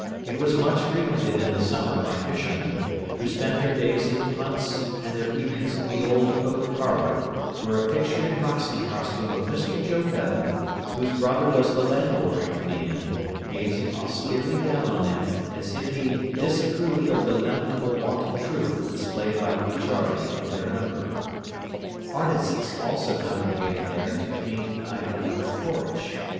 It was much frequented in the summer by fishermen, who spent their days in punts and their evenings in the old oak parlour, where a picture in boxing costume of Mr Joe Bevan, whose brother was the landlord of the inn, gazed austerely down on them, as if he disapproved of the lamentable want of truth displayed by the majority of their number. Artists also congregated there to paint the ivy covered porch.